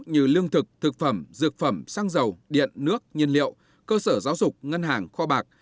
như lương thực thực phẩm dược phẩm xăng dầu điện nước nhiên liệu cơ sở giáo dục ngân hàng kho bạc